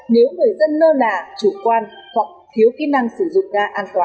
nếu người dân nơ nà chủ quan hoặc thiếu kỹ năng sử dụng ga an toàn